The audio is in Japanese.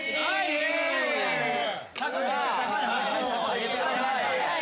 上げてください。